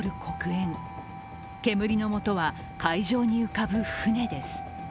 煙のもとは海上に浮かぶ船です。